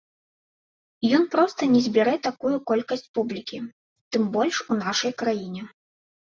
Ён проста не збярэ такую колькасць публікі, тым больш у нашай краіне.